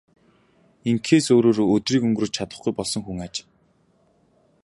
Ингэхээс өөрөөр өдрийг өнгөрөөж чадахгүй болсон хүн аж.